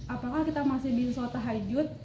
apakah kita masih bisa sholat tahajud